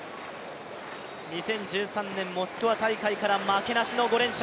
２０１３年モスクワ大会から負けなしの５連勝。